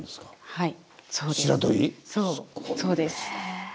はい。